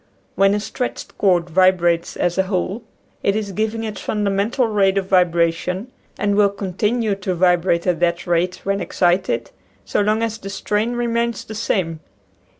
When a stretched cord vibrates as a whole, it is giving its fun damental rate of vibration, and will continue to vibrate at that rate when excited so long as the strain remains the same.